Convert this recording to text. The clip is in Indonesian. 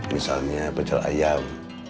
misalnya pecel ayam